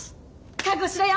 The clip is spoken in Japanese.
覚悟しろよ！